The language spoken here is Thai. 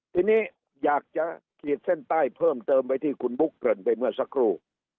ทีนี้อยากจะขีดเส้นใต้เพิ่มเติมไปที่คุณบุ๊คเกริ่นไปเมื่อสักครู่